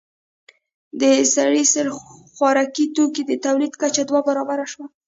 د سړي سر خوراکي توکو د تولید کچه دوه برابره شوه